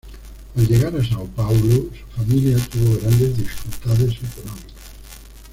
Al llegar a São Paulo, su familia tuvo grandes dificultades económicas.